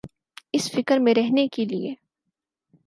اس فکر میں رہنے کیلئے۔